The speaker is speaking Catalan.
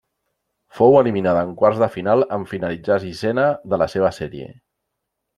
Fou eliminada en quarts de final en finalitzar sisena de la seva sèrie.